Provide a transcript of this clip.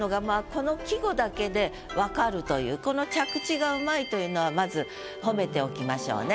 この季語だけでわかるというこのというのはまず褒めておきましょうね。